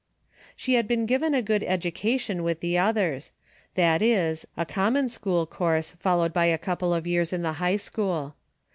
She had been given a good education with the others, that is, a common school course followed by a couple of years in the High School.